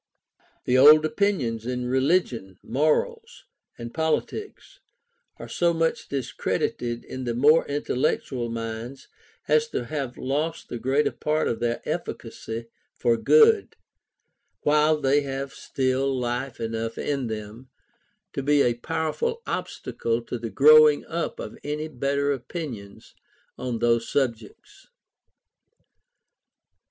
The old opinions in religion, morals, and politics, are so much discredited in the more intellectual minds as to have lost the greater part of their efficacy for good, while they have still life enough in them to be a powerful obstacle to the growing up of any better opinions on those subjects.